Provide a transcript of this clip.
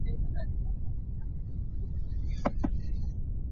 Na dinmi ti a thiam lo ahcun khukrul na ngei lai.